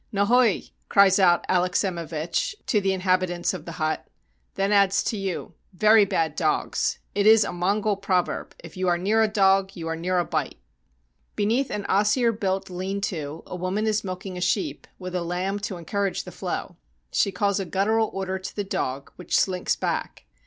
" Nohoi," cries out Alexsimevich, to the inhabitants of the hut; then adds to you, "Very bad dogs! It is a Mongol proverb :' If you are near a dog, you are near a bite.'" IN A TARTAR TENT Beneath an osier built lean to, a woman is milking a sheep, with a lamb to encourage the flow. She calls a guttural order to the dog, which slinks back.